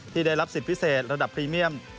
ได้รับสิทธิ์พิเศษระดับพรีเมียม